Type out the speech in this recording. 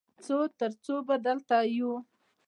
څو تر څو به دلته یو؟